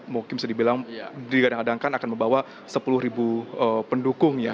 mungkin bisa dibilang dikadang kadang akan membawa sepuluh ribu pendukung ya